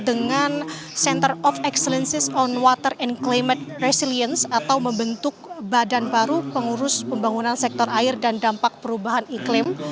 dengan center of excellences on water and climate resilience atau membentuk badan baru pengurus pembangunan sektor air dan dampak perubahan iklim